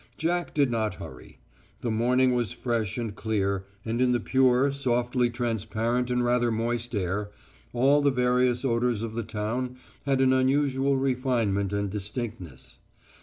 Jack did not hurry. The morning was fresh and clear, and in the pure, softly transparent and rather moist air, all the various odours of the town had an unusual refinement and distinctness.